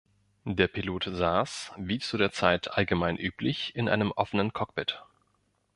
Der Pilot saß, wie zu der Zeit allgemein üblich, in einem offenen Cockpit.